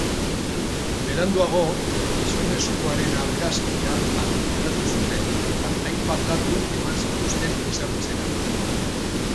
Beranduago, gizonezkoaren argazkia argitaratu zuten eta hainbat datu eman zituzten ezagutzera.